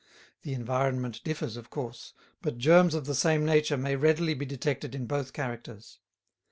The environment differs, of course, but germs of the same nature may readily be detected in both characters.